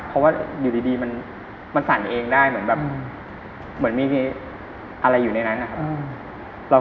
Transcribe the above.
เพราะว่าอยู่ดีมันสั่นเองได้เหมือนแบบเหมือนมีอะไรอยู่ในนั้นนะครับ